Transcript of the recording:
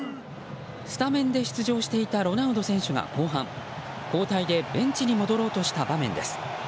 スタメンで出場していたロナウド選手が後半交代で、ベンチに戻ろうとした場面です。